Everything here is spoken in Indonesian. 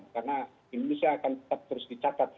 karena indonesia akan tetap terus dicatat